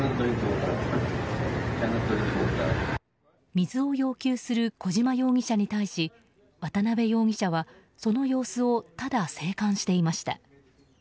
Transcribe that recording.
水を要求する小島容疑者に対し渡辺容疑者はその様子をただ静観していました。